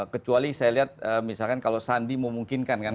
kecuali saya lihat misalkan kalau sandi memungkinkan kan